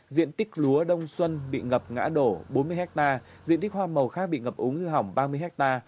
diện tích lúa đông xuân bị ngập ngã đổ bốn mươi hectare diện tích hoa màu khác bị ngập úng hư hỏng ba mươi ha